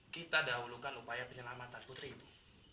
kita dahulukan upaya penyelamatan putri ibu